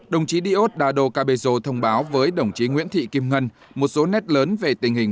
đồng chí diosdado cabezo thông báo với đồng chí nguyễn thị kim ngân một số nét lớn về tình hình